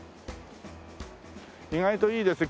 意外といいです。